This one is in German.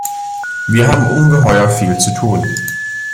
Wir haben ungeheuer viel zu tun.